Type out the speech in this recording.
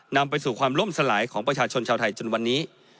นำไปสู่ความล่มสลายของประชาชนชาวไทยจนวันนี้